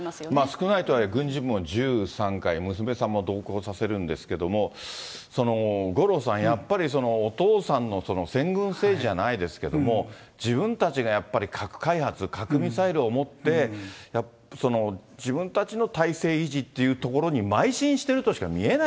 少ないとはいえ、軍事部門１３回、娘さんも同行させるんですけども、五郎さん、やっぱりお父さんの先軍政治じゃないですけれども、自分たちがやっぱり核開発、核ミサイルを持って、自分たちの体制維持というところにまい進しているとしか見えない。